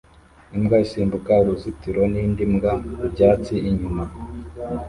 Imbwa isimbuka uruzitiro n'indi mbwa ku byatsi inyuma